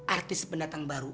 artis pendatang baru